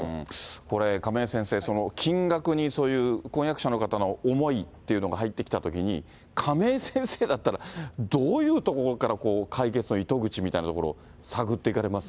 これ亀井先生、金額に婚約者の方の思いというのが入ってきたときに、亀井先生だったら、どういうところから解決の糸口みたいなところを探っていかれます